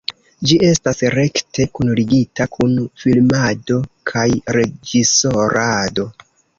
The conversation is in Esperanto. Ĝi estas rekte kunligita kun filmado kaj reĝisorado.